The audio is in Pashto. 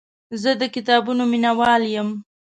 زه د کتابونو مینهوال یم.